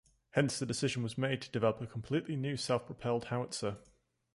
Hence the decision was made to develop a completely new self-propelled howitzer.